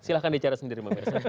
silahkan dicara sendiri